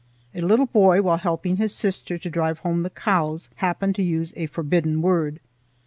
A little boy, while helping his sister to drive home the cows, happened to use a forbidden word.